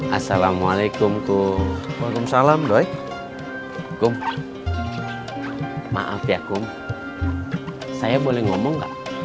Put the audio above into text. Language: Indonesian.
assalamualaikum tuh salam doi kum maaf ya kum saya boleh ngomong